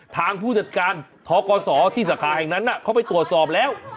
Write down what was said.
ผู้จัดการทกศที่สาขาแห่งนั้นเขาไปตรวจสอบแล้ว